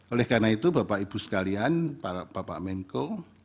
oleh karena itu bapak ibu sekalian bapak menko